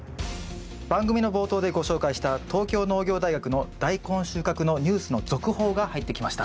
番組の冒頭でご紹介した東京農業大学のダイコン収穫のニュースの続報が入ってきました。